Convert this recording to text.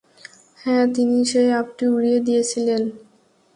হ্যাঁ, তিনিই সেই অপটি উড়িয়ে দিয়েছিলেন।